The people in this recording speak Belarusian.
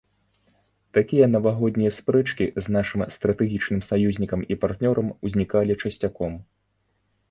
Такія навагоднія спрэчкі з нашым стратэгічным саюзнікам і партнёрам узнікалі часцяком.